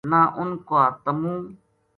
نہ اُنھ کا تمو